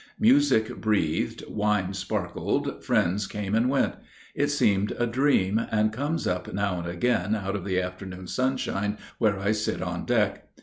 Music breathed, wine sparkled, friends came and went. It seemed a dream, and comes up now again out of the afternoon sunshine where I sit on deck.